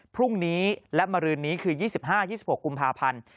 พรุ่งนี้และมารืนนี้คือ๒๕๒๖กุมภาพันธ์